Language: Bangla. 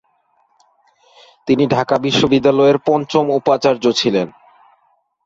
তিনি ঢাকা বিশ্ববিদ্যালয়ের পঞ্চম উপাচার্য ছিলেন।